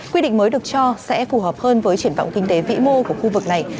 quy định mới được cho sẽ phù hợp hơn với triển vọng kinh tế vĩ mô của khu vực này